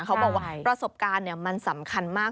เขาบอกว่าประสบการณ์มันสำคัญมาก